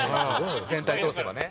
全体を通せばね。